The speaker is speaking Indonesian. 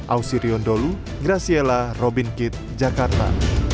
ausirion dholu graciela robin kitt jakarta